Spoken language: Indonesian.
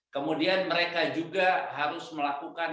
kemudian mereka juga harus melakukan